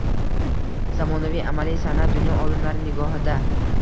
Zamonaviy amaliy san’at dunyo olimlari nigohidang